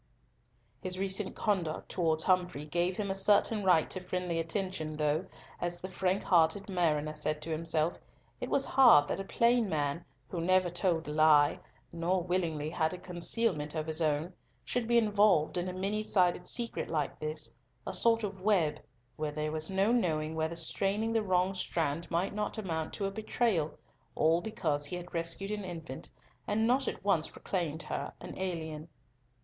His recent conduct towards Humfrey gave him a certain right to friendly attention, though, as the frank hearted mariner said to himself, it was hard that a plain man, who never told a lie, nor willingly had a concealment of his own, should be involved in a many sided secret like this, a sort of web, where there was no knowing whether straining the wrong strand might not amount to a betrayal, all because he had rescued an infant, and not at once proclaimed her an alien.